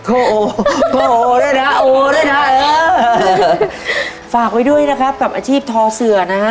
โอด้วยนะโอด้วยนะเออฝากไว้ด้วยนะครับกับอาชีพทอเสือนะฮะ